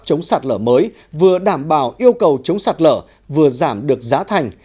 chống sạt lở mới vừa đảm bảo yêu cầu chống sạt lở vừa giảm được giá thành